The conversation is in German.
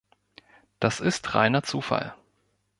Das ist reiner Zufall.